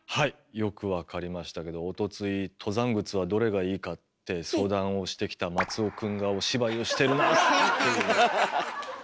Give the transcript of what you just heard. よく分かりましたけどおとつい登山靴はどれがいいかって相談をしてきた松尾君がお芝居をしてるなあっていう。